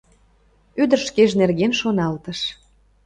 — Ӱдыр шкеж нерген шоналтыш.